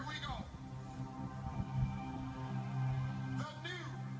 นี่คือ